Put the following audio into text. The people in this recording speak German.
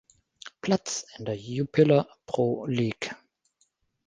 Platz in der Jupiler Pro League.